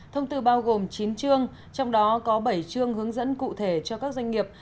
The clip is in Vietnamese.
thông tư bao gồm chín chương trong đó có bảy chương hướng dẫn cụ thể cho các doanh nghiệp